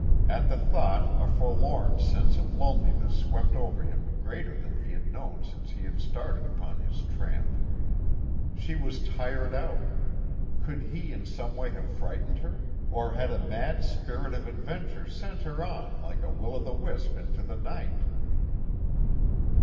At the thought a forlorn sense of loneliness swept over him greater than he had known since he had started upon his tramp. She was tired out; could he in some way have frightened her, or had a mad spirit of adventure sent her on like a will o' the wisp into the night?